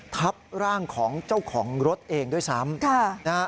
ทับร่างของเจ้าของรถเองด้วยซ้ำ